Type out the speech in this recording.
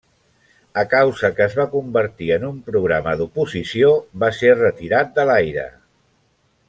A causa que es va convertir en un programa d'oposició va ser retirat de l'aire.